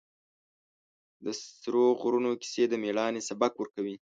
د سرو غرونو کیسې د مېړانې سبق ورکوي.